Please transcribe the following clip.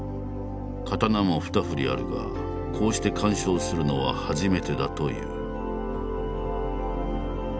刀も２ふりあるがこうして鑑賞するのは初めてだという。